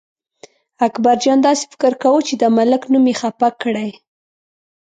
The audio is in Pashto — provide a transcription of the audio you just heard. اکبرجان داسې فکر کاوه چې د ملک نوم یې خپه کړی.